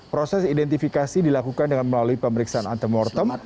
proses identifikasi dilakukan dengan melalui pemeriksaan antemortem